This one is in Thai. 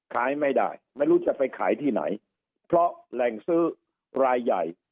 ขายไม่ได้ไม่รู้จะไปขายที่ไหนเพราะแหล่งซื้อรายใหญ่